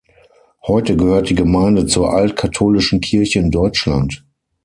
Heute gehört die Gemeinde zur Alt-Katholischen Kirche in Deutschland.